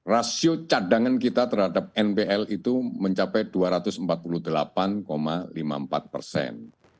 rasio cadangan kita terhadap npl itu mencapai dua ratus empat puluh delapan lima puluh empat persen